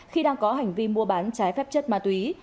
khi đang có hành vi mua bán trái phép chất ma túy